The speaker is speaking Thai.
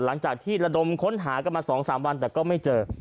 หลังจากที่ระดมค้นหากันมา๒๓วันแต่ก็ไม่เจอ